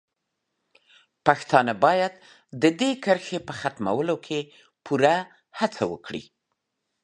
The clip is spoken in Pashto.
پښتانه باید د دې کرښې په ختمولو کې پوره هڅه وکړي.